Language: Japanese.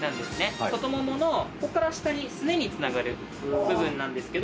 外モモのこっから下にスネにつながる部分なんですけど。